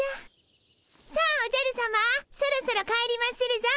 さあおじゃるさまそろそろ帰りまするぞ。